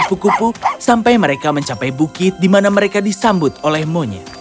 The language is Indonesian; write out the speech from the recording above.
dan menangkap bukit bukit sampai mereka mencapai bukit di mana mereka disambut oleh monyet